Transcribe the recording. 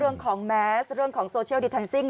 เรื่องของแมสเรื่องของโซเชียลดิทันซิ่ง